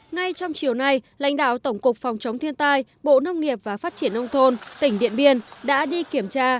ngay trong chiều nay lãnh đạo tổng cục phòng chống thiên tai bộ nông nghiệp và phát triển nông thôn tỉnh điện biên đã đi kiểm tra